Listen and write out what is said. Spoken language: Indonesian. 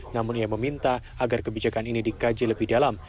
namun ia meminta agar kebijakan ini dikaji lebih dalam